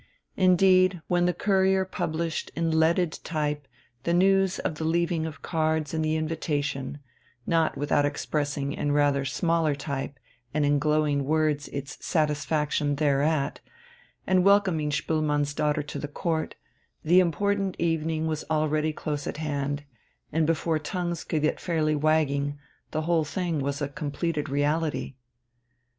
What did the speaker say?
Indeed, when the Courier published in leaded type the news of the leaving of cards and the invitation not without expressing in rather smaller type and in glowing words its satisfaction thereat, and welcoming Spoelmann's daughter to the Court the important evening was already close at hand, and before tongues could get fairly wagging the whole thing was a completed reality.